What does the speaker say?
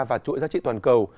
vào chuỗi giá trị toàn cầu